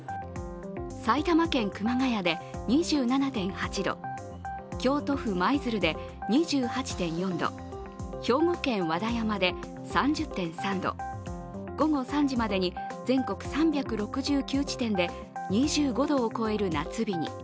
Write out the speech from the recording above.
埼玉県熊谷で２７．８度、京都府舞鶴で２８．４度兵庫県和田山で３０．３度、午後３時までに全国３６９地点で２５度を超える夏日に。